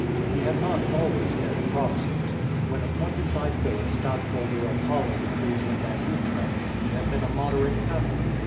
He had not always been a Protestant. When appointed by Philip stadtholder of Holland, Friesland, and Utrecht he had been a moderate Catholic.